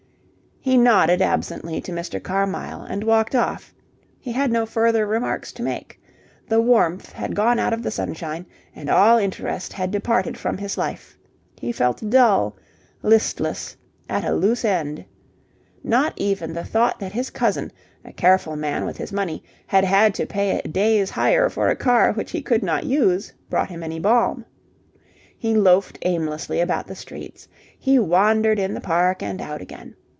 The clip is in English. He nodded absently to Mr. Carmyle and walked off. He had no further remarks to make. The warmth had gone out of the sunshine and all interest had departed from his life. He felt dull, listless, at a loose end. Not even the thought that his cousin, a careful man with his money, had had to pay a day's hire for a car which he could not use brought him any balm. He loafed aimlessly about the streets. He wandered in the Park and out again.